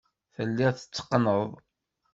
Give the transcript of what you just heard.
Telliḍ tetteqqneḍ.